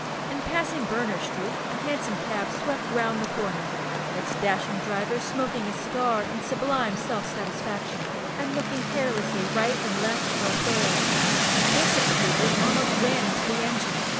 In passing Berners Street, a hansom cab swept round the corner, its dashing driver smoking a cigar in sublime self satisfaction, and looking carelessly right and left for a "fare." This exquisite almost ran into the engine!